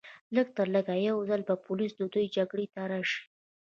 لږترلږه یو ځل به پولیس د دوی جګړې ته راشي